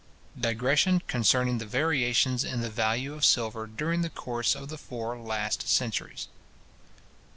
_Digression concerning the Variations in the value of Silver during the Course of the Four last Centuries.